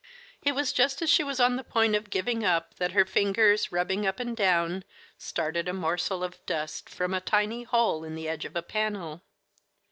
It was just as she was on the point of giving up that her fingers, rubbing up and down, started a morsel of dust from a tiny hole in the edge of a panel.